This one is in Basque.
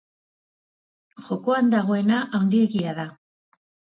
Jokoan dagoena haundiegia da.